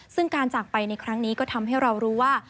ซึ่งการจากไปในครั้งนี้ก็ทำให้เรารู้ว่า